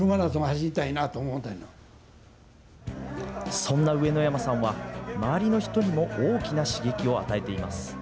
そんな上野山さんは、周りの人にも大きな刺激を与えています。